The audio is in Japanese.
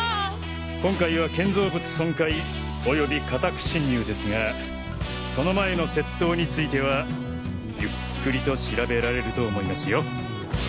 今回は建造物損壊および家宅侵入ですがその前の窃盗についてはゆっくりと調べられると思いますよ。